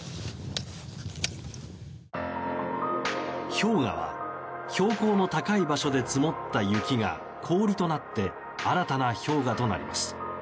氷河は、標高の高い場所で積もった雪が氷となって新たな氷河となります。